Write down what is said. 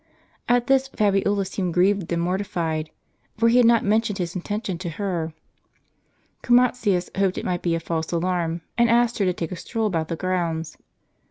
At this Fabiola seemed grieved and mortified ; for he had not mentioned his intention to her. Chromatius hoped it might be a false alarm, and asked her to take a stroll about the grounds.